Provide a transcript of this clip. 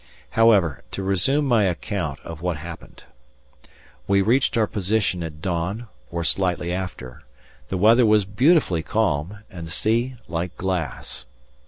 However, to resume my account of what happened. We reached our position at dawn or slightly after, the weather was beautifully calm and the sea like glass.